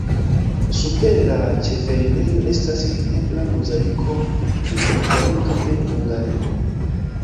Super la ĉefenirejo estas videbla mozaiko pri Elizabeto de Hungario.